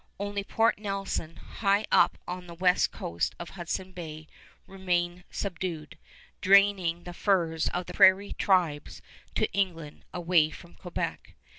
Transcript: Only Port Nelson, high up on the west coast of Hudson Bay, remained unsubdued, draining the furs of the prairie tribes to England away from Quebec.